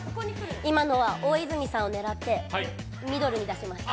今のは大泉さんを狙ってミドルに出しました。